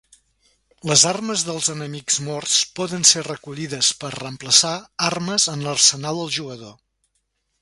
Les armes dels enemics morts poden ser recollides per reemplaçar armes en l'arsenal del jugador.